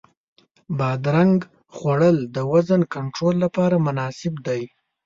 بادرنګ خوړل د وزن کنټرول لپاره مناسب دی.